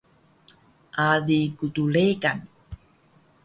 Ali gdregan